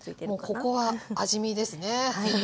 もうここは味見ですね。